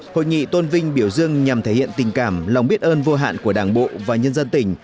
hội nghị tôn vinh biểu dương nhằm thể hiện tình cảm lòng biết ơn vô hạn của đảng bộ và nhân dân tỉnh